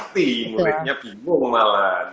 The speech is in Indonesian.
muridnya bingung malah